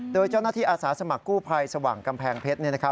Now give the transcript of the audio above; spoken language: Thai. โดยเจ้าหน้าที่อาสาสมัครกู้ภัยสว่างกำแพงเพชร